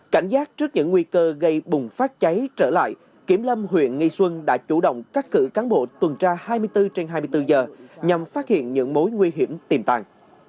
cảnh giác trước những nguy cơ gây bùng phát cháy trở lại kiểm lâm huyện nghi xuân đã chủ động cắt cử cán bộ tuần tra hai mươi bốn trên hai mươi bốn giờ nhằm phát hiện những mối nguy hiểm tiềm tàng